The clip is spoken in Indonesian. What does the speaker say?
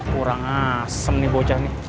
kurang asem nih bocah